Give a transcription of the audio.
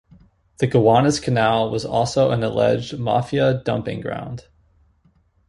The Gowanus Canal was also an alleged Mafia dumping ground.